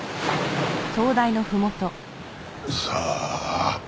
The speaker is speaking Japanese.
さあ？